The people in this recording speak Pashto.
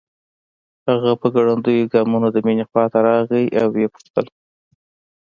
هغه په ګړنديو ګامونو د مينې خواته راغی او وپوښتل